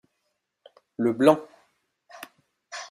Le blanc.